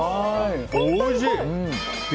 おいしい！